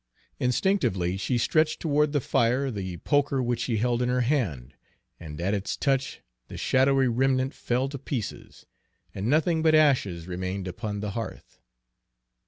Instinctively she stretched toward the fire the poker which she held in her hand, and at its touch the shadowy remnant fell to pieces, and nothing but ashes remained upon the hearth.